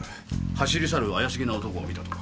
走り去る怪しげな男を見たと。